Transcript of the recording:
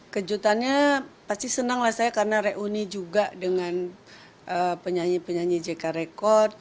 kejutannya pasti senang lah saya karena reuni juga dengan penyanyi penyanyi jk record